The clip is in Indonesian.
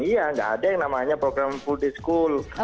iya nggak ada yang namanya program full day school